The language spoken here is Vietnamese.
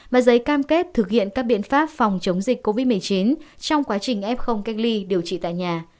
và giấy cam kết thực hiện các biện pháp phòng chống dịch covid một mươi chín trong quá trình f cách ly điều trị tại nhà